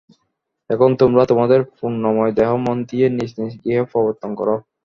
এখন তোমরা তোমাদের পুণ্যময় দেহ-মন নিয়ে নিজ নিজ গৃহে প্রত্যাবর্তন কর।